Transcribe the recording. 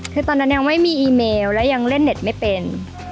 คือตอนนั้นยังไม่มีอีเมลและยังเล่นเน็ตไม่เป็น